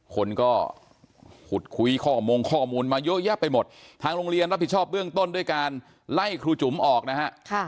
คนก็ขุดคุยข้อมูลมาเยอะแยะไปหมดทางโรงเรียนรับผิดชอบเบื้องต้นด้วยการไล่ครูจุ๋มออกนะฮะ